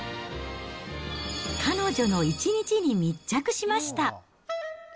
彼女に一日に密着しました。